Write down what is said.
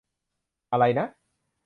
อะไรนะ ?